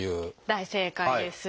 大正解です。